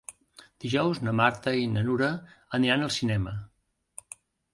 Dijous na Marta i na Nura aniran al cinema.